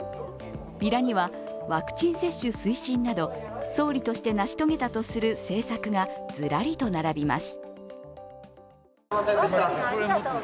ビラにはワクチン接種推進など、総理として成し遂げたとする政策がズラリと並びます。